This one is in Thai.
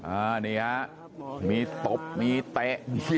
อ่านี่ฮะมีตบมีเตะมี